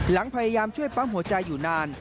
พยายามช่วยปั๊มหัวใจอยู่นาน